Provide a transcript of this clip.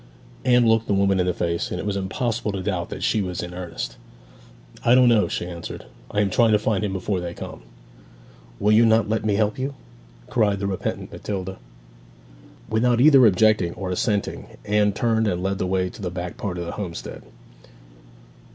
Anne looked the woman in the face, and it was impossible to doubt that she was in earnest. 'I don't know,' she answered. 'I am trying to find him before they come.' 'Will you not let me help you?' cried the repentant Matilda. Without either objecting or assenting Anne turned and led the way to the back part of the homestead.